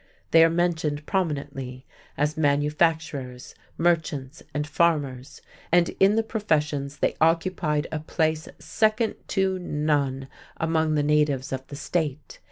They are mentioned prominently as manufacturers, merchants, and farmers, and in the professions they occupied a place second to none among the natives of the State.